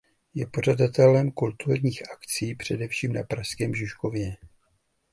Je pořadatelem kulturních akcí především na pražském Žižkově.